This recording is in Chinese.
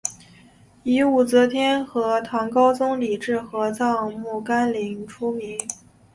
以武则天和唐高宗李治合葬墓干陵出名。